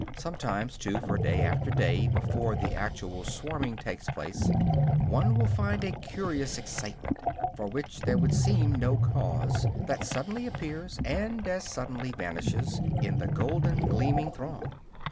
Sometimes, too, for day after day before the actual swarming takes place, one will find a curious excitement, for which there would seem no cause, that suddenly appears, and as suddenly vanishes, in the golden, gleaming throng.